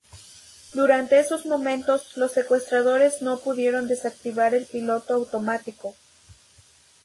Durante esos momentos, los secuestradores no pudieron desactivar el piloto automático.